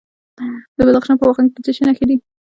د بدخشان په واخان کې د څه شي نښې دي؟